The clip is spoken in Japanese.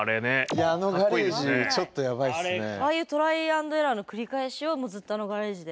いやあのガレージああいうトライアンドエラーの繰り返しをもうずっとあのガレージで。